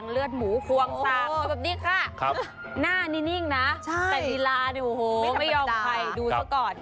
เลือดหมูควงสากมาแบบนี้ค่ะหน้านี่นิ่งนะแต่ลีลาเนี่ยโอ้โหไม่ยอมใครดูซะก่อน